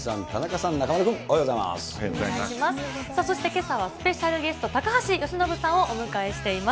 さあ、そしてけさはスペシャルゲスト、高橋由伸さんをお迎えしています。